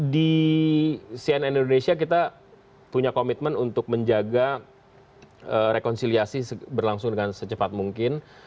di cnn indonesia kita punya komitmen untuk menjaga rekonsiliasi berlangsung dengan secepat mungkin